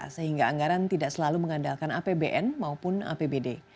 sehingga anggaran tidak selalu mengandalkan apbn maupun apbd